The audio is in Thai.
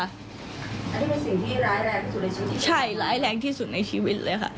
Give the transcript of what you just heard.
อันนี้เป็นสิ่งที่ร้ายแรงสุดในชีวิตใช่ร้ายแรงที่สุดในชีวิตเลยค่ะ